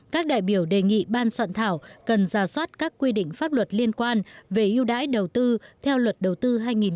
các đại biểu đề nghị ban soạn thảo cần ra soát các quy định pháp luật liên quan về ưu đãi đầu tư theo luật đầu tư hai nghìn một mươi